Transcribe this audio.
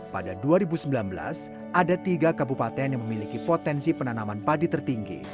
pada dua ribu sembilan belas ada tiga kabupaten yang memiliki potensi penanaman padi tertinggi